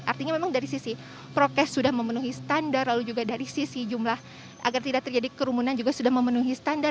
artinya memang dari sisi prokes sudah memenuhi standar lalu juga dari sisi jumlah agar tidak terjadi kerumunan juga sudah memenuhi standar